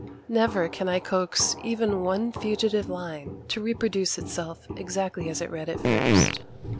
Never can I coax even one fugitive line to reproduce itself exactly as it read at first.